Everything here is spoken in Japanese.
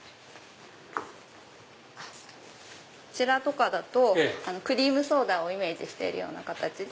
こちらとかだとクリームソーダをイメージしているような形で。